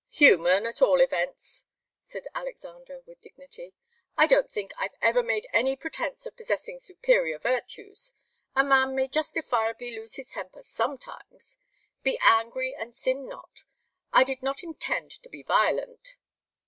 "Human, at all events," said Alexander, with dignity; "I don't think I've ever made any pretence of possessing superior virtues. A man may justifiably lose his temper sometimes. 'Be angry and sin not.' I did not intend to be violent."